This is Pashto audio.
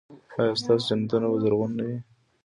ایا ستاسو جنتونه به زرغون نه وي؟